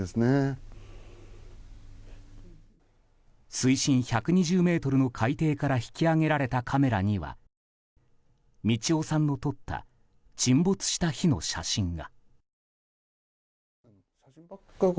水深１２０ｍの海底から引き揚げられたカメラには宝大さんの撮った沈没した日の写真が。